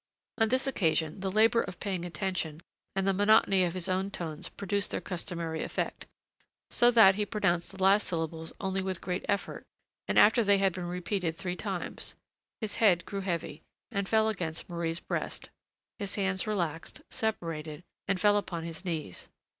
On this occasion, the labor of paying attention and the monotony of his own tones produced their customary effect, so that he pronounced the last syllables only with great effort, and after they had been repeated three times; his head grew heavy, and fell against Marie's breast: his hands relaxed, separated, and fell open upon his knees.